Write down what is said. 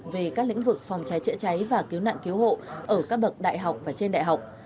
về các lĩnh vực phòng cháy chữa cháy và cứu nạn cứu hộ ở các bậc đại học và trên đại học